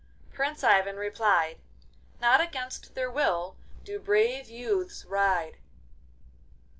Prince Ivan replied, 'Not against their will do brave youths ride!